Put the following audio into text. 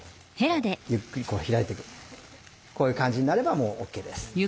こういう感じになればもうＯＫです。